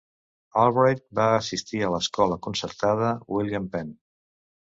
Albright va assistir a l'escola concertada William Penn.